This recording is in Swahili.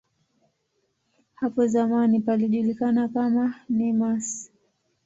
Hapo zamani palijulikana kama "Nemours".